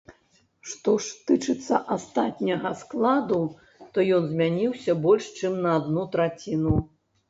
Што ж тычыцца астатняга складу, то ён змяніўся больш, чым на адну траціну.